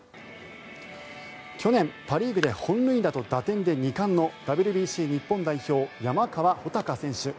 去年、パ・リーグで本塁打と打点で２冠のＷＢＣ日本代表、山川穂高選手。